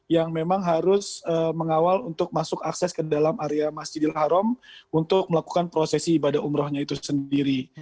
yang memang harus mengawal untuk masuk akses ke dalam area masjidil haram untuk melakukan prosesi ibadah umrohnya itu sendiri